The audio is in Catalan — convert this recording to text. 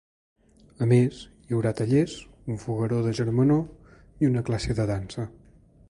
A més, hi haurà tallers, un fogueró de germanor i una classe de dansa.